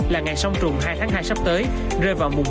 là ngày song trùng hai hai sắp tới rơi vào mùng hai